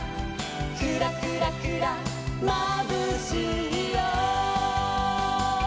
「クラクラクラまぶしいよ」